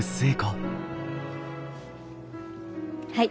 はい。